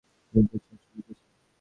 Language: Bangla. ছাতিম গাছের শাখায় বাদুড় ঝুলিতেছে।